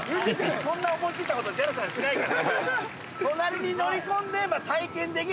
そんな思い切ったことＪＡＬさんしないから。